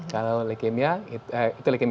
kalau leukemia itu leukemia